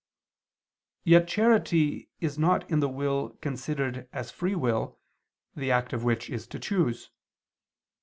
Yet charity is not in the will considered as free will, the act of which is to choose.